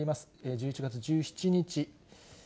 １１月１７日。